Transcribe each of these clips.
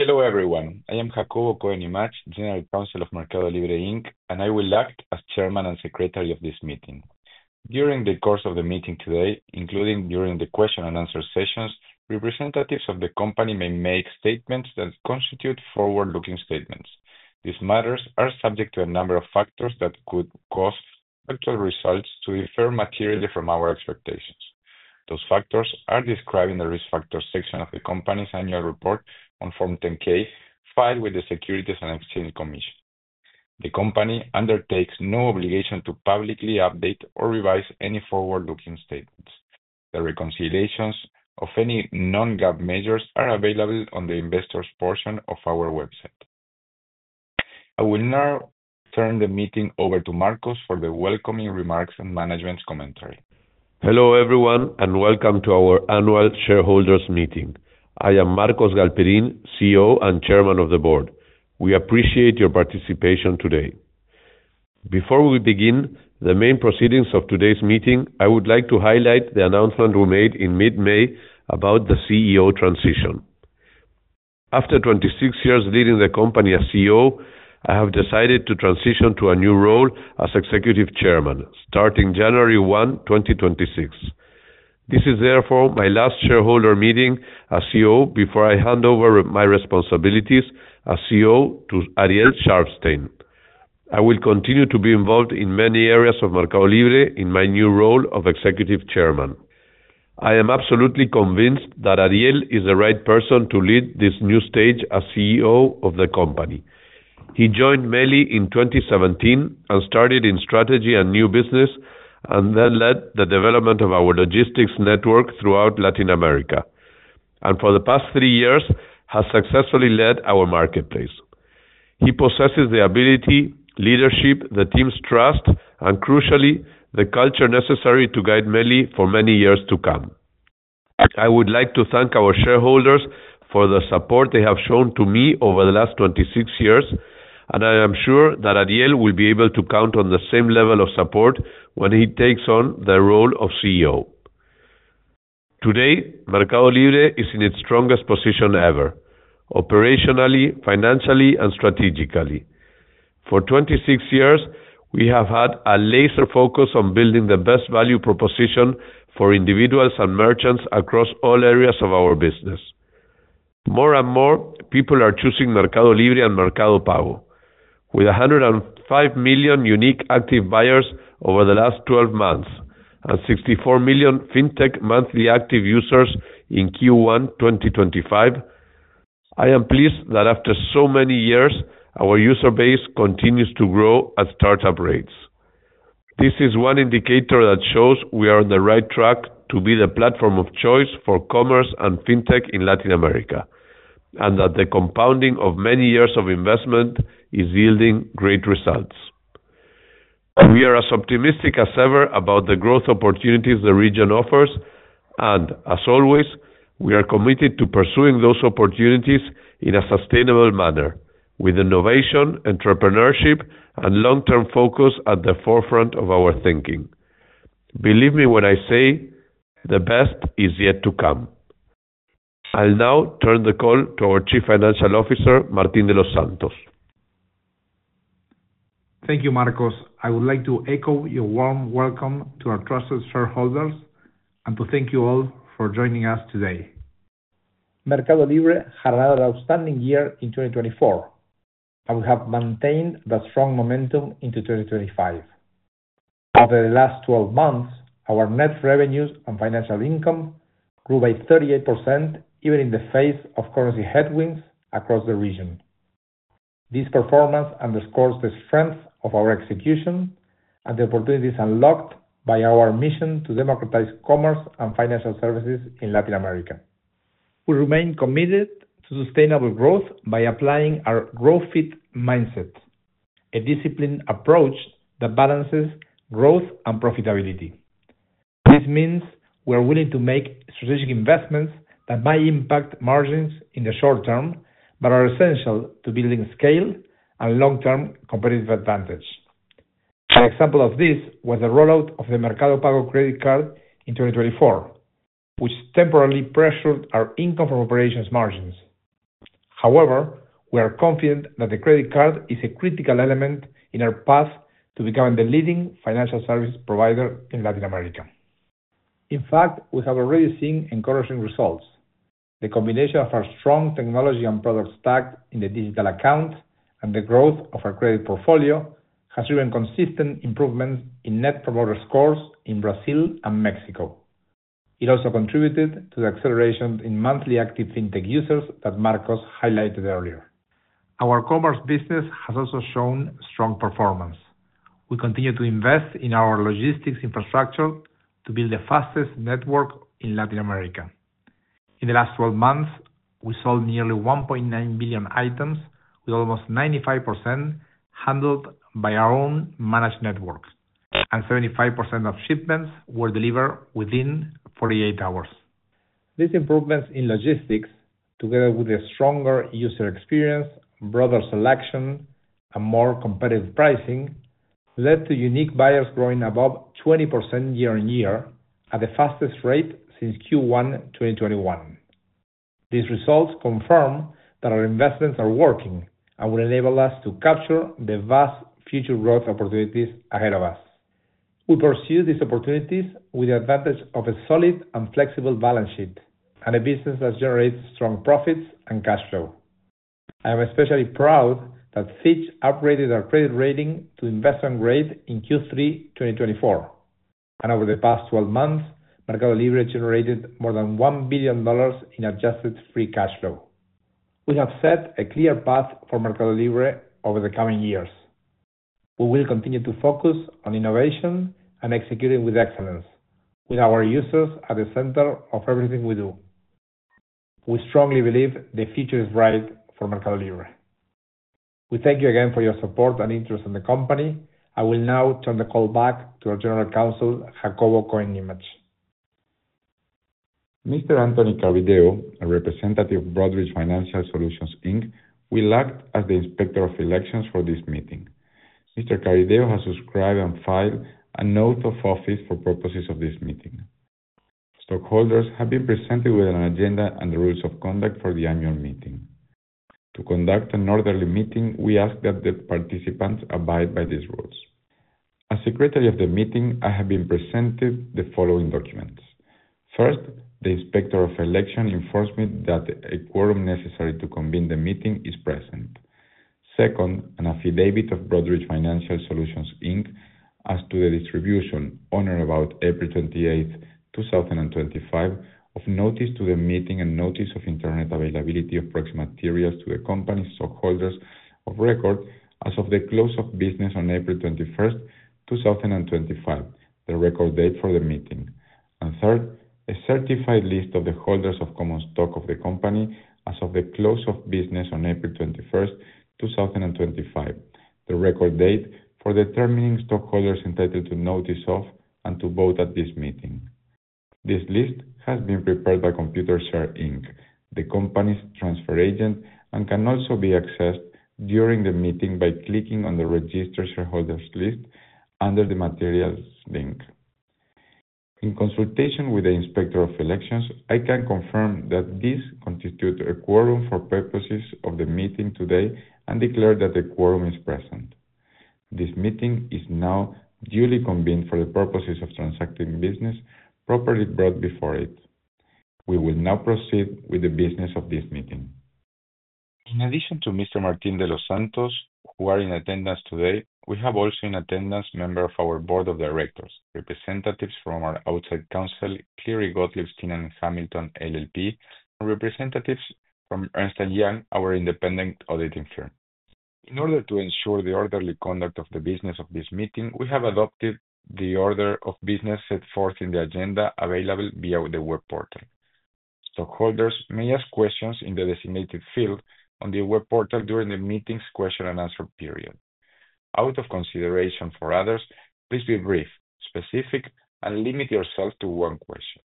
Hello everyone, I am Jacobo Cohen Imach, General Counsel of MercadoLibre, and I will act as Chairman and Secretary of this meeting. During the course of the meeting today, including during the question-and-answer sessions, representatives of the company may make statements that constitute forward-looking statements. These matters are subject to a number of factors that could cause actual results to differ materially from our expectations. Those factors are described in the risk factors section of the company's annual report, Form 10-K, filed with the Securities and Exchange Commission. The company undertakes no obligation to publicly update or revise any forward-looking statements. The reconciliations of any non-GAAP measures are available on the investors' portion of our website. I will now turn the meeting over to Marcos for the welcoming remarks and management's commentary. Hello everyone, and welcome to our annual shareholders' meeting. I am Marcos Galperin, CEO and Chairman of the Board. We appreciate your participation today. Before we begin the main proceedings of today's meeting, I would like to highlight the announcement we made in mid-May about the CEO transition. After 26 years leading the company as CEO, I have decided to transition to a new role as Executive Chairman, starting January 1, 2026. This is therefore my last shareholder meeting as CEO before I hand over my responsibilities as CEO to Ariel Szarfsztejn. I will continue to be involved in many areas of MercadoLibre in my new role of Executive Chairman. I am absolutely convinced that Ariel is the right person to lead this new stage as CEO of the company. He joined Meli in 2017 and started in strategy and new business, and then led the development of our logistics network throughout Latin America, and for the past three years has successfully led our marketplace. He possesses the ability, leadership, the team's trust, and crucially, the culture necessary to guide Meli for many years to come. I would like to thank our shareholders for the support they have shown to me over the last 26 years, and I am sure that Ariel will be able to count on the same level of support when he takes on the role of CEO. Today, MercadoLibre is in its strongest position ever, operationally, financially, and strategically. For 26 years, we have had a laser focus on building the best value proposition for individuals and merchants across all areas of our business. More and more, people are choosing MercadoLibre and MercadoPago. With 105 million unique active buyers over the last 12 months and 64 million fintech monthly active users in Q1 2025, I am pleased that after so many years, our user base continues to grow at startup rates. This is one indicator that shows we are on the right track to be the platform of choice for commerce and fintech in Latin America, and that the compounding of many years of investment is yielding great results. We are as optimistic as ever about the growth opportunities the region offers, and as always, we are committed to pursuing those opportunities in a sustainable manner, with innovation, entrepreneurship, and long-term focus at the forefront of our thinking. Believe me when I say, the best is yet to come. I'll now turn the call to our Chief Financial Officer, Martín de los Santos. Thank you, Marcos. I would like to echo your warm welcome to our trusted shareholders and to thank you all for joining us today. MercadoLibre has had an outstanding year in 2024 and will have maintained that strong momentum into 2025. Over the last 12 months, our net revenues and financial income grew by 38%, even in the face of currency headwinds across the region. This performance underscores the strength of our execution and the opportunities unlocked by our mission to democratize commerce and financial services in Latin America. We remain committed to sustainable growth by applying our growth-fit mindset, a disciplined approach that balances growth and profitability. This means we are willing to make strategic investments that might impact margins in the short term but are essential to building scale and long-term competitive advantage. An example of this was the rollout of the MercadoPago Credit Card in 2024, which temporarily pressured our income from operations margins. However, we are confident that the credit card is a critical element in our path to becoming the leading financial service provider in Latin America. In fact, we have already seen encouraging results. The combination of our strong technology and product stack in the digital account and the growth of our credit portfolio has driven consistent improvements in net promoter scores in Brazil and Mexico. It also contributed to the acceleration in monthly active fintech users that Marcos highlighted earlier. Our commerce business has also shown strong performance. We continue to invest in our logistics infrastructure to build the fastest network in Latin America. In the last 12 months, we sold nearly 1.9 billion items, with almost 95% handled by our own managed network, and 75% of shipments were delivered within 48 hours. These improvements in logistics, together with a stronger user experience, broader selection, and more competitive pricing, led to unique buyers growing above 20% year on year at the fastest rate since Q1 2021. These results confirm that our investments are working and will enable us to capture the vast future growth opportunities ahead of us. We pursue these opportunities with the advantage of a solid and flexible balance sheet and a business that generates strong profits and cash flow. I am especially proud that Fitch upgraded our credit rating to investment grade in Q3 2024, and over the past 12 months, MercadoLibre generated more than $1 billion in adjusted free cash flow. We have set a clear path for MercadoLibre over the coming years. We will continue to focus on innovation and executing with excellence, with our users at the center of everything we do. We strongly believe the future is bright for MercadoLibre. We thank you again for your support and interest in the company. I will now turn the call back to our General Counsel, Jacobo Cohen Imach. Mr. Anthony Carbone, a representative of Broadridge Financial Solutions Inc., will act as the inspector of elections for this meeting. Mr. Carbideo has subscribed and filed a note of office for purposes of this meeting. Stockholders have been presented with an agenda and the rules of conduct for the annual meeting. To conduct an orderly meeting, we ask that the participants abide by these rules. As Secretary of the Meeting, I have been presented the following documents. First, the inspector of election informs me that a quorum necessary to convene the meeting is present. Second, an affidavit of Broadridge Financial Solutions Inc. as to the distribution on or about April 28, 2025, of notice to the meeting and notice of internet availability of proxy materials to the company's stockholders of record as of the close of business on April 21st, 2025, the record date for the meeting. Third, a certified list of the holders of common stock of the company as of the close of business on April 21st, 2025, the record date for determining stockholders entitled to notice of and to vote at this meeting. This list has been prepared by Computershare Inc., the company's transfer agent, and can also be accessed during the meeting by clicking on the registered shareholders list under the materials link. In consultation with the inspector of elections, I can confirm that this constitutes a quorum for purposes of the meeting today and declare that the quorum is present. This meeting is now duly convened for the purposes of transacting business properly brought before it. We will now proceed with the business of this meeting. In addition to Mr. Martín de los Santos, who are in attendance today, we have also in attendance members of our board of directors, representatives from our outside counsel, Cleary Gottlieb Steen & Hamilton LLP, and representatives from Ernst & Young, our independent auditing firm. In order to ensure the orderly conduct of the business of this meeting, we have adopted the order of business set forth in the agenda available via the web portal. Stockholders may ask questions in the designated field on the web portal during the meeting's question and answer period. Out of consideration for others, please be brief, specific, and limit yourself to one question.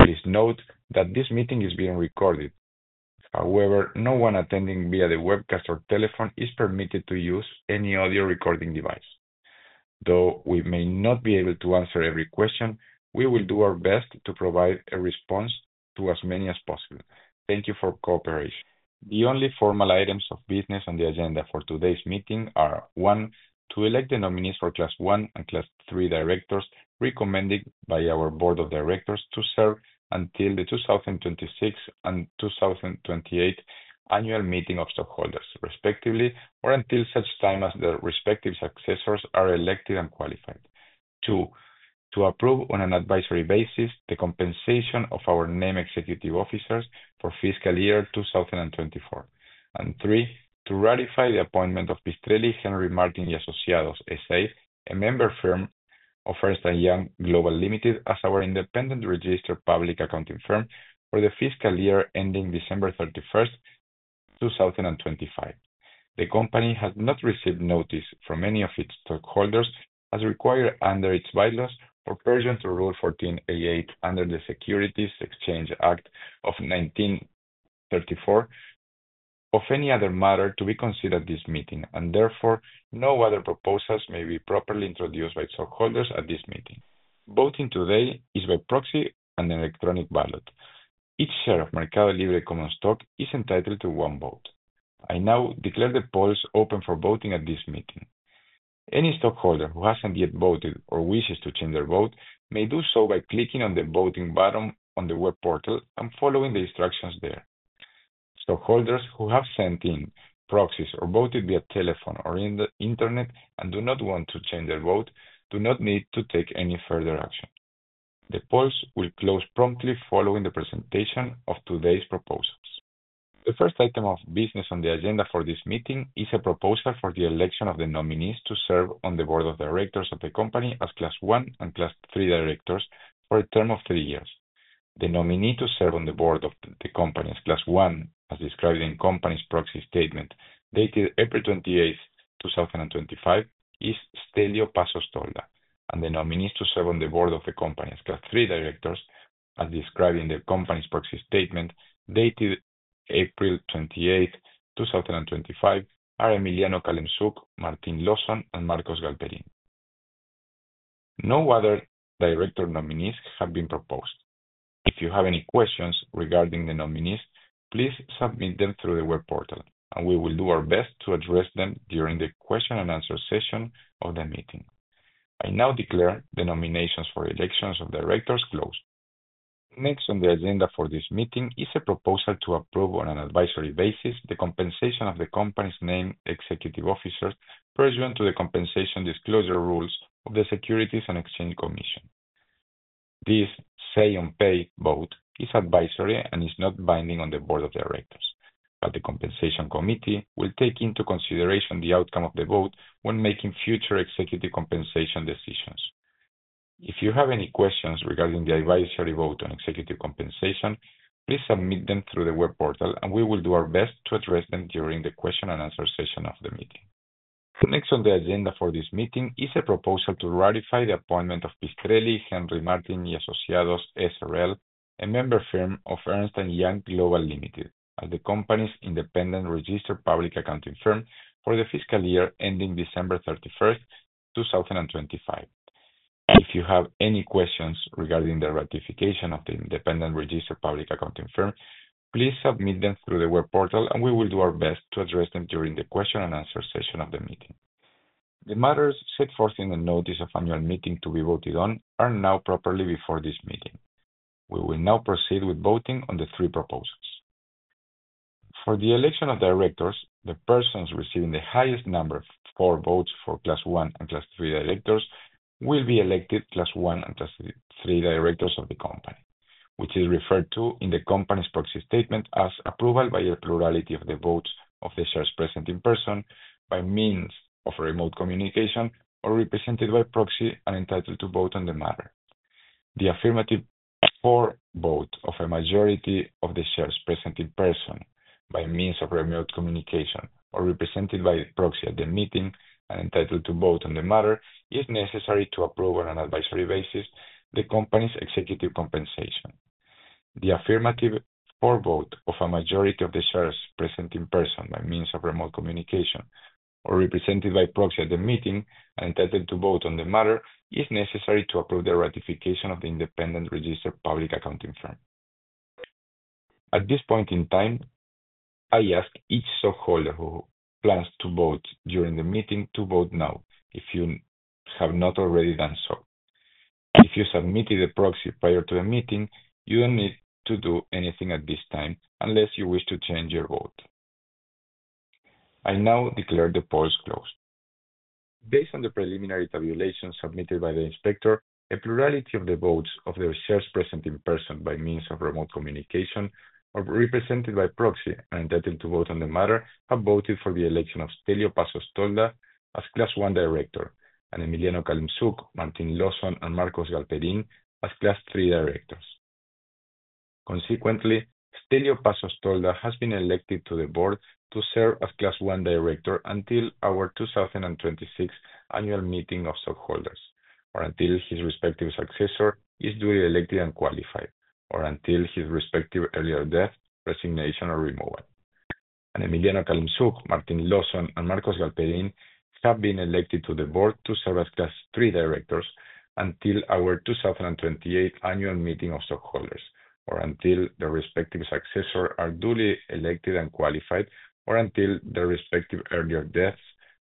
Please note that this meeting is being recorded. However, no one attending via the webcast or telephone is permitted to use any audio recording device. Though we may not be able to answer every question, we will do our best to provide a response to as many as possible. Thank you for your cooperation. The only formal items of business on the agenda for today's meeting are, one, to elect the nominees for Class 1 and Class 3 directors recommended by our board of directors to serve until the 2026 and 2028 annual meeting of stockholders, respectively, or until such time as the respective successors are elected and qualified, two, to approve on an advisory basis the compensation of our named executive officers for fiscal year 2024, and three, to ratify the appointment of Pistrelli, Henry Martin & Asociados S.A., a member firm of Ernst & Young Global Limited, as our independent registered public accounting firm for the fiscal year ending December 31st, 2025. The company has not received notice from any of its stockholders as required under its bylaws or pursuant to Rule 14a-8 under the Securities Exchange Act of 1934 of any other matter to be considered at this meeting, and therefore no other proposals may be properly introduced by stockholders at this meeting. Voting today is by proxy and electronic ballot. Each share of MercadoLibre common stock is entitled to one vote. I now declare the polls open for voting at this meeting. Any stockholder who hasn't yet voted or wishes to change their vote may do so by clicking on the voting button on the web portal and following the instructions there. Stockholders who have sent in proxies or voted via telephone or internet and do not want to change their vote do not need to take any further action. The polls will close promptly following the presentation of today's proposals. The first item of business on the agenda for this meeting is a proposal for the election of the nominees to serve on the board of directors of the company as Class 1 and Class 3 directors for a term of three years. The nominee to serve on the board of the company as Class 1, as described in the company's proxy statement dated April 28, 2025, is Stelleo Tolda, and the nominees to serve on the board of the company as Class 3 directors, as described in the company's proxy statement dated April 28, 2025, are Emiliano Calemzuk, Martín Lozan, and Marcos Galperin. No other director nominees have been proposed. If you have any questions regarding the nominees, please submit them through the web portal, and we will do our best to address them during the question and answer session of the meeting. I now declare the nominations for elections of directors closed. Next on the agenda for this meeting is a proposal to approve on an advisory basis the compensation of the company's named executive officers pursuant to the compensation disclosure rules of the Securities and Exchange Commission. This say-on-pay vote is advisory and is not binding on the board of directors, but the compensation committee will take into consideration the outcome of the vote when making future executive compensation decisions. If you have any questions regarding the advisory vote on executive compensation, please submit them through the web portal, and we will do our best to address them during the question and answer session of the meeting. Next on the agenda for this meeting is a proposal to ratify the appointment of Pistrelli, Henry Martin & Asociados S.A., a member firm of Ernst & Young Global Limited, as the company's independent registered public accounting firm for the fiscal year ending December 31, 2025. If you have any questions regarding the ratification of the independent registered public accounting firm, please submit them through the web portal, and we will do our best to address them during the question and answer session of the meeting. The matters set forth in the notice of annual meeting to be voted on are now properly before this meeting. We will now proceed with voting on the three proposals. For the election of directors, the persons receiving the highest number of votes for Class 1 and Class 3 directors will be elected Class 1 and Class 3 directors of the company, which is referred to in the company's proxy statement as approval by a plurality of the votes of the shares present in person, by means of remote communication, or represented by proxy and entitled to vote on the matter. The affirmative vote of a majority of the shares present in person, by means of remote communication, or represented by proxy at the meeting and entitled to vote on the matter is necessary to approve on an advisory basis the company's executive compensation. The affirmative vote of a majority of the shares present in person by means of remote communication, or represented by proxy at the meeting and entitled to vote on the matter is necessary to approve the ratification of the independent registered public accounting firm. At this point in time, I ask each stockholder who plans to vote during the meeting to vote now, if you have not already done so. If you submitted a proxy prior to the meeting, you don't need to do anything at this time unless you wish to change your vote. I now declare the polls closed. Based on the preliminary tabulation submitted by the inspector, a plurality of the votes of the shares present in person by means of remote communication, or represented by proxy and entitled to vote on the matter, have voted for the election of Stelleo Tolda as Class 1 director, and Emiliano Calemzuk, Martín Lozan, and Marcos Galperin as Class 3 directors. Consequently, Stelleo Tolda has been elected to the board to serve as Class 1 director until our 2026 annual meeting of stockholders, or until his respective successor is duly elected and qualified, or until his respective earlier death, resignation, or removal. Emiliano Calemzuk, Martín Lozan, and Marcos Galperin have been elected to the board to serve as Class 3 directors until our 2028 annual meeting of stockholders, or until their respective successors are duly elected and qualified, or until their respective earlier deaths,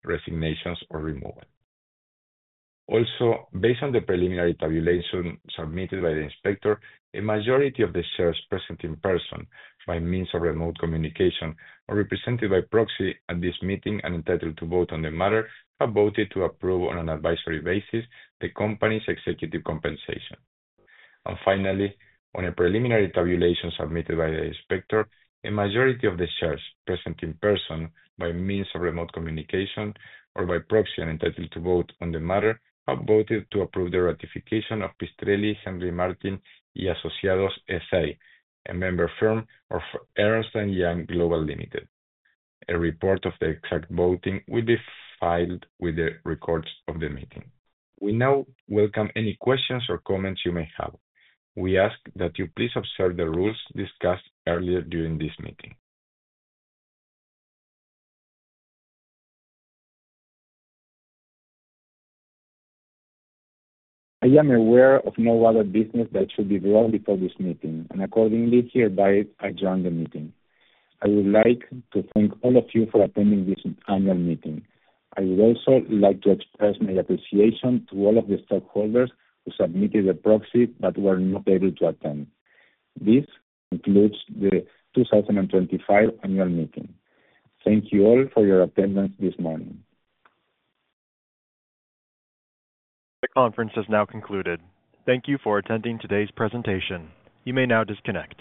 resignations, or removal. Also, based on the preliminary tabulation submitted by the inspector, a majority of the shares present in person by means of remote communication, or represented by proxy at this meeting and entitled to vote on the matter, have voted to approve on an advisory basis the company's executive compensation. Finally, on a preliminary tabulation submitted by the inspector, a majority of the shares present in person by means of remote communication, or by proxy and entitled to vote on the matter, have voted to approve the ratification of Pistrelli, Henry Martin & Asociados S.A., a member firm of Ernst & Young Global Limited. A report of the exact voting will be filed with the records of the meeting. We now welcome any questions or comments you may have. We ask that you please observe the rules discussed earlier during this meeting. I am aware of no other business that should be brought before this meeting, and accordingly, hereby I join the meeting. I would like to thank all of you for attending this annual meeting. I would also like to express my appreciation to all of the stockholders who submitted a proxy but were not able to attend. This concludes the 2025 annual meeting. Thank you all for your attendance this morning. The conference has now concluded. Thank you for attending today's presentation. You may now disconnect.